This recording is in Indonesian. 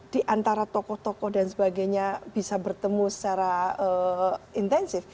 di antara tokoh tokoh dan sebagainya bisa bertemu secara intensif